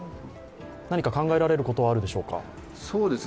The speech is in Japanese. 何か考えられることはあるでしょうか？